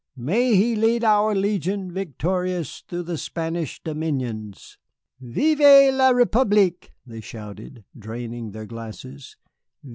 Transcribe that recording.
May he lead our Legion victorious through the Spanish dominions." "Vive la République!" they shouted, draining their glasses.